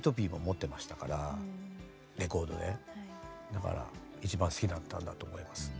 だから一番好きだったんだと思います。